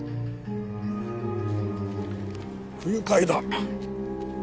不愉快だ。